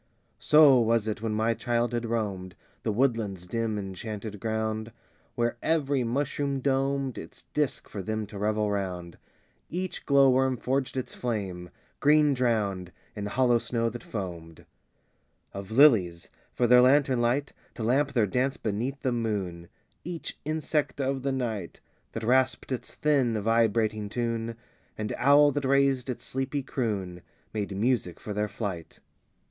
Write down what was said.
VIII So was it when my childhood roamed The woodland's dim enchanted ground, Where every mushroom domed Its disc for them to revel round; Each glow worm forged its flame, green drowned In hollow snow that foamed IX Of lilies, for their lantern light, To lamp their dance beneath the moon; Each insect of the night, That rasped its thin, vibrating tune, And owl that raised its sleepy croon, Made music for their flight.